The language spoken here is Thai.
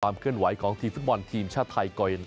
ความเคลื่อนไหวของธีมฟุตมอนด์ทีมชาติไทยก่อน